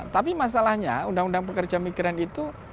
tapi masalahnya undang undang pekerja migran itu